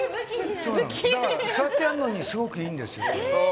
そうやってやるのにすごくいいんですよ。